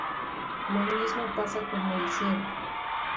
Lo mismo pasa con el ser.